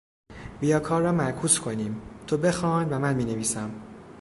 بیا کار را معکوس کنیم -- تو بخوان و من مینویسم.